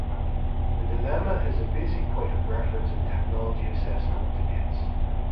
The dilemma is a basic point of reference in technology assessment debates.